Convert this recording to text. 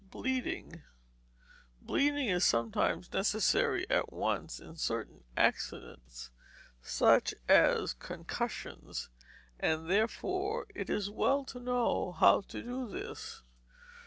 Bleeding Bleeding is sometimes necessary at once in certain accidents, such as concussion, and therefore it is well to know how to do this.